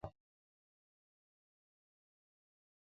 Me na ndù’nkùt te fone pèt mfâ.